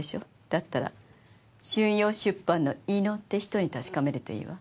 だったら春陽出版の猪野って人に確かめるといいわ。